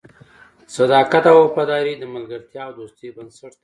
صداقت او وفاداري د ملګرتیا او دوستۍ بنسټ دی.